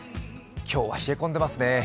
今日は冷え込んでいますね。